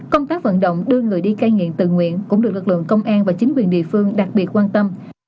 công tác vận động đưa người đi cay nghiện từ nguyễn cũng được lực lượng công an và chính quyền địa phương đặc biệt quan tâm